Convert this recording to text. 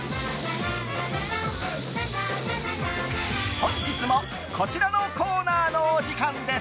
本日もこちらのコーナーのお時間です。